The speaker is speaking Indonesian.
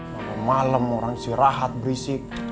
malem malem orang sih rahat berisik